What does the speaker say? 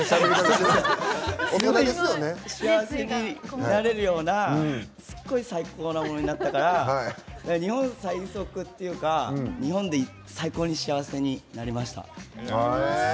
すごい幸せになれるようなすごい最高なものになったから「日本最速！」っていうか日本で最高に幸せになれました。